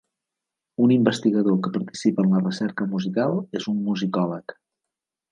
Un investigador que participa en la recerca musical és un musicòleg.